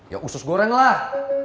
ya usus goreng lah